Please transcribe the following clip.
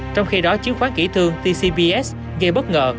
trong khi đó chứng khoán kỷ thương tcbs gây bất ngờ